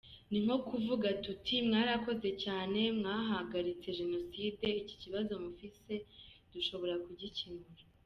Ni nko kuvuga tuti ‘mwarakoze cyane, mwahagaritse Jenoside, iki kibazo mufite dushobora kugikemura.